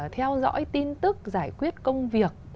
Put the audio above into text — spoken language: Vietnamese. theo dõi tin tức giải quyết công việc